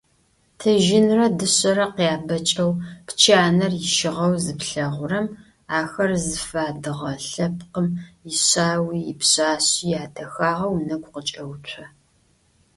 Тыжьынрэ, дышъэрэ къябэкӏэу, пчанэр ищыгъэу зыплъэгъурэм ахэр зыфадыгъэ лъэпкъым ишъауи ипшъашъи ядэхагъэ унэгу къыкӏэуцо.